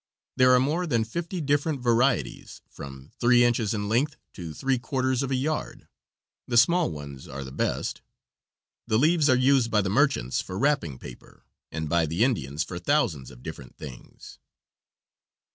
There are more than fifty different varieties, from three inches in length to three quarters of a yard. The small ones are the best. The leaves are used by the merchants for wrapping paper, and by the Indians for thousands of different things.